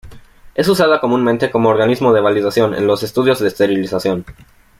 Es usada comúnmente como organismo de validación en los estudios de esterilización.